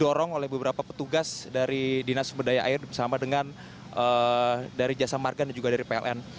didorong oleh beberapa petugas dari dinas sumber daya air bersama dengan dari jasa marga dan juga dari pln